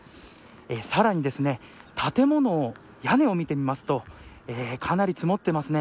さらに建物の屋根を見てみますとかなり積もってますね。